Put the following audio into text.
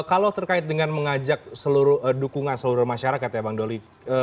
kalau terkait dengan mengajak seluruh dukungan seluruh masyarakat ya bang doli